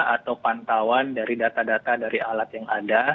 atau pantauan dari data data dari alat yang ada